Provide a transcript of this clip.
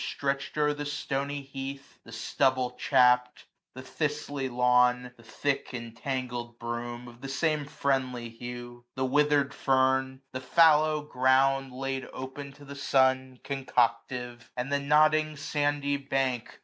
Stretched o'er the stony heath ; the stubble chapt j The thistly lawn ; the thick entangled broom ; 405 Of the same friendly hue, the withered fern ; The fallow ground laid open to the sun, Concoctive ; and the nodding sandy bank.